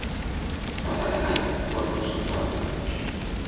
Para ganar, forzoso es trabajar.